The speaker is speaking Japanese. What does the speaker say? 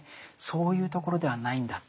そういうところではないんだって。